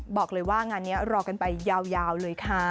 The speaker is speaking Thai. บอกเลยว่างานนี้รอกันไปยาวเลยค่ะ